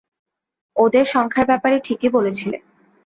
ওদের সংখ্যার ব্যাপারে ঠিকই বলেছিলে।